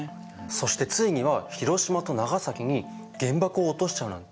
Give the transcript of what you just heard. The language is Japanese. そしてついには広島と長崎に原爆を落としちゃうなんて。